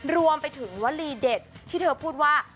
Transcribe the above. รวมไปถึงวลีเด็ดที่เธอพูดว่า